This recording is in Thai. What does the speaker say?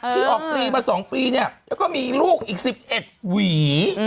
ที่ออกปีมาสองปีเนี่ยแล้วก็มีลูกอีกสิบเอ็ดหวี